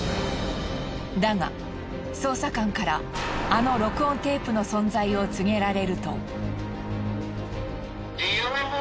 だが捜査官からあの録音テープの存在を告げられると。